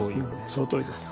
そのとおりです。